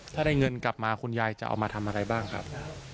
ถ้าได้เงินกลับมาคุณยายจะเอามาทำอะไรบ้างครับ